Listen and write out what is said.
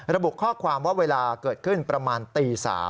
ระบุข้อความว่าเวลาเกิดขึ้นประมาณตี๓